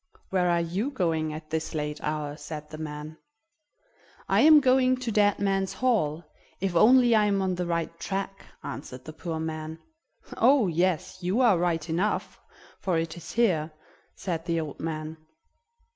Where are you going at this late hour?" said the man. "I am going to Dead Man's Hall, if only I am on the right track," answered the poor man. "Oh! yes, you are right enough, for it is here," said the old man.